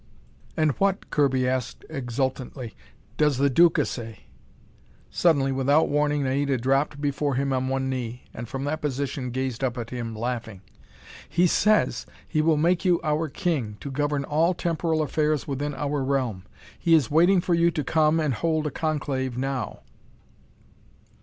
"And what," Kirby asked exultantly, "does the Duca say?" Suddenly, without warning, Naida dropped before him on one knee, and from that position gazed up at him laughing. "He says he will make you our King, to govern all temporal affairs within our realm! He is waiting for you to come and hold a conclave now."